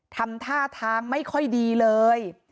ทำท่าทางไม่ค่อยดีเลย